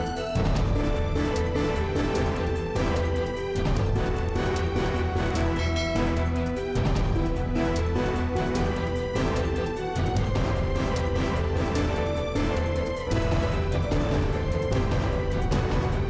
aku mau pergi